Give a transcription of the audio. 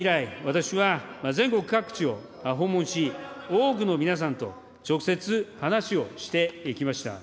総理就任以来、私は全国各地を訪問し、多くの皆さんと直接話をしてきました。